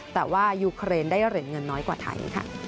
แต่ว่ายูเครนได้เหรียญเงินน้อยกว่าไทยค่ะ